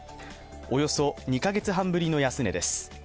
およそ２か月半ぶりの安値です。